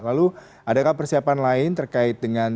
lalu adakah persiapan lain terkait dengan